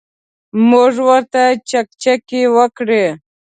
موږ ورته چکچکې وکړې.